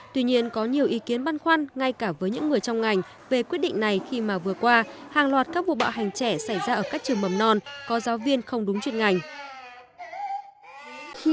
tuy nhiên có nhiều ý kiến băn khoăn ngay cả với những người trong ngành về quyết định này khi mà vừa qua hàng loạt các vụ bạo hành trẻ xảy ra ở các trường mầm non có giáo viên không đúng chuyên ngành